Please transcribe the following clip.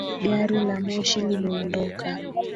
Gari la moshi limeondoka.